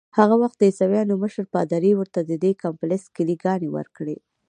هغه وخت د عیسویانو مشر پادري ورته ددې کمپلیکس کیلې ګانې ورکړې.